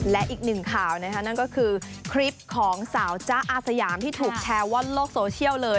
และอีกหนึ่งข่าวนะคะนั่นก็คือคลิปของสาวจ๊ะอาสยามที่ถูกแชร์ว่านโลกโซเชียลเลย